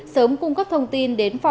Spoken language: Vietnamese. sớm cung cấp thông tin đến phòng